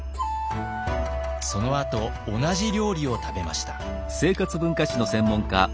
そのあと同じ料理を食べました。